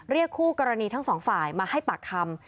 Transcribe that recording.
คู่กรณีทั้งสองฝ่ายมาให้ปากคำ